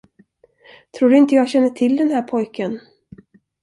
Tror du inte jag känner till den här pojken?